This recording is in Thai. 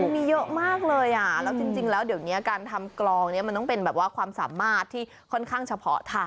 มีเยอะมากเลยอ่ะแล้วจริงแล้วเดี๋ยวนี้การทำกลองนี้มันต้องเป็นแบบว่าความสามารถที่ค่อนข้างเฉพาะทาง